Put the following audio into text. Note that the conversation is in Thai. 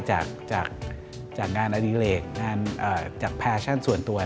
จากงานอดิเลกงานจากแฟชั่นส่วนตัว